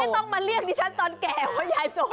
คุณไม่ต้องมาเรียกดิฉันตอนแก่ว่ายายโสด